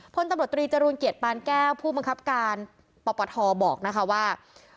พลตำรวจตรีจรูลเกียรติปานแก้วผู้บังคับการปปทบอกนะคะว่า